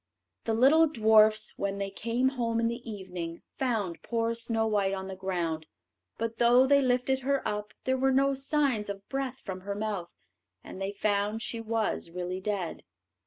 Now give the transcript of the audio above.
The little dwarfs, when they came home in the evening, found poor Snow white on the ground; but though they lifted her up, there were no signs of breath from her mouth, and they found she was really dead.